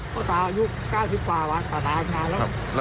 พ่อตาอายุ๙๐กว่าวันเขาตายมานานแล้ว